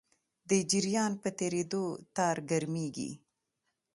د جریان په تېرېدو تار ګرمېږي.